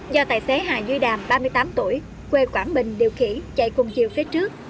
do tài xế hà duy đàm ba mươi tám tuổi quê quảng bình điều khiển chạy cùng chiều phía trước